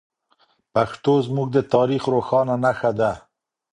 پښتو زموږ د تاریخ روښانه نښه ده.